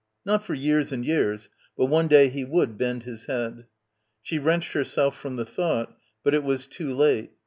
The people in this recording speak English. Not for years and years. But one day he would bend his head. She wrenched herself from the thought, but it was too late.